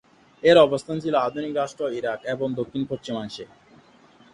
এর অবস্থান ছিল আধুনিক রাষ্ট্র ইরাক এর দক্ষিণ-পশ্চিমাংশে।